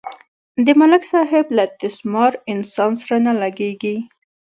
د ملک صاحب له تیس مار انسان سره نه لگېږي.